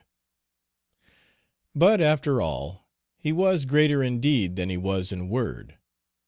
But, after all, he was greater in deed than he was in word.